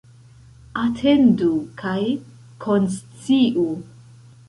Atendu kaj konsciu.